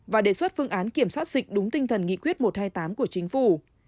và đề xuất phương án kiểm soát dịch đúng tinh thần nghị quyết một trăm hai mươi tám của chính phủ